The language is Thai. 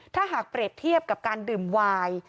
ถ้าหากเปรียบเทียบกับการดื่มวาย